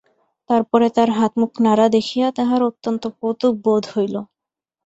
তার পরে তাঁর হাতমুখ নাড়া দেখিয়া তাহার অত্যন্ত কৌতুক বোধ হইল।